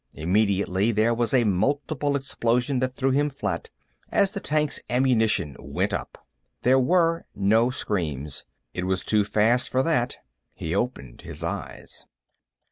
Immediately, there was a multiple explosion that threw him flat, as the tank's ammunition went up. There were no screams. It was too fast for that. He opened his eyes.